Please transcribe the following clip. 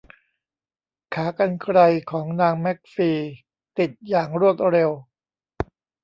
ขากรรไกรของนางแมคฟี ติดอย่างรวดเร็ว